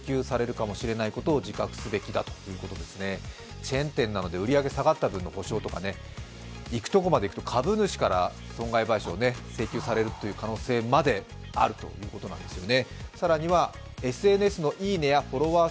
チェーン店なので売り上げが下がった分の損害賠償とかねいくところまでいくと株主から損害賠償を請求される可能性まであるということですね。